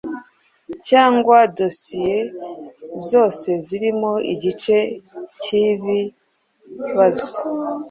cyangwa dosiye zose zirimo igice cyibi bazo